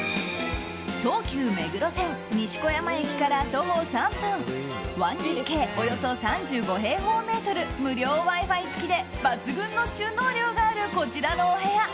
東急目黒線西小山駅から徒歩３分１ＤＫ、およそ３５平方メートル無料Ｗｉ‐Ｆｉ付きで抜群の収納量があるこちらのお部屋。